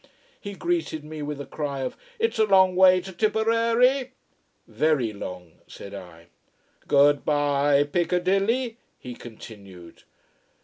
He greeted me with a cry of "It's a long, long way to Tipperary." "Very long," said I. "Good bye Piccadilly " he continued.